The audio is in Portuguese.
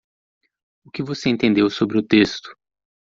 O que você entedeu sobre o texto?